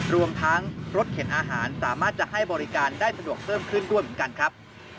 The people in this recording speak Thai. รวมทั้งรถเข็นอาหารสามารถจะให้บริการได้สะดวกเพิ่มขึ้นด้วยเหมือนกันครับ